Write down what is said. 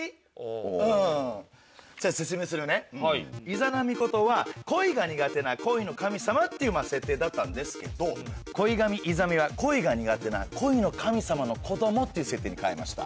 伊邪那ミコトは恋が苦手な恋の神様っていう設定だったんですけど恋神イザミは恋が苦手な恋の神様の子供っていう設定に変えました。